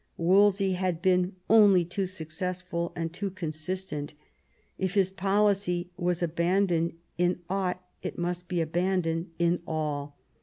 Wolsey had been only too successful and too consistent. If his policy was abandoned in aught, it must be abandoned in all.